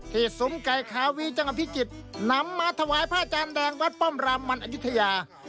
สมไก่ขาวีจังหวัดพิจิตรนำมาถวายพระอาจารย์แดงวัดป้อมรามมันอายุทยา